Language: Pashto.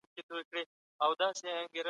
د قاتل سزا په اسلام کي قصاص ده.